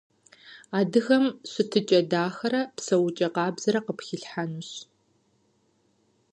Адыгагъэм щытыкIэ дахэрэ псэукIэ къабзэрэ къыпхилъхьэнущ.